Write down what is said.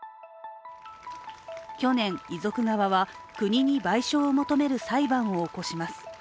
去年、遺族側は国に賠償を求める裁判を起こします。